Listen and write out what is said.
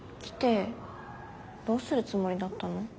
来てどうするつもりだったの？